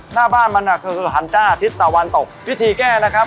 หน้าบ้านมันอ่ะคือคือหันจ้าอาทิตย์ตะวันตกวิธีแก้นะครับ